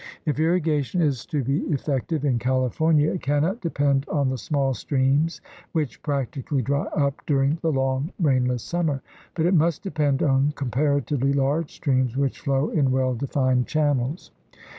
If irrigation is to be 142 THE RED MAN'S CONTINENT effective in California, it cannot depend on the small streams which practicallj^ dry up during the long, rainless summer, but it must depend on comparatively large streams which flow in well defined channels.